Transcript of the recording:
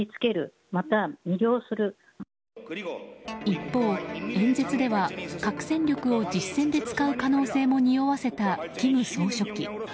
一方、演説では核戦力を実戦で使う可能性もにおわせた金総書記。